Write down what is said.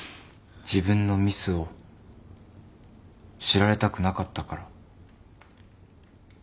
自分のミスを知られたくなかったから。